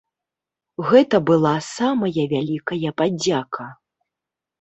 Гэта была самая вялікая падзяка.